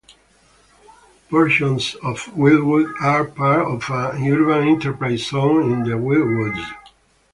Portions of Wildwood are part of an Urban Enterprise Zone in The Wildwoods.